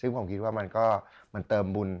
เหมือนการเติมผลบุญ